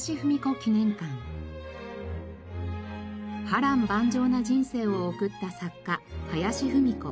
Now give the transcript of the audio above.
波瀾万丈な人生を送った作家林芙美子。